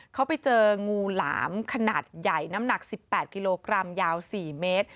เขาไปเจองูหลามขนาดใหญ่น้ำหนัก๑๘กิโลกรัมยาว๔เมตร